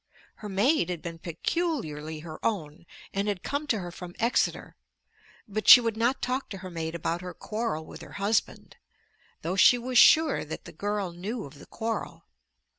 Her maid had been peculiarly her own and had come to her from Exeter; but she would not talk to her maid about her quarrel with her husband, though she was sure that the girl knew of the quarrel.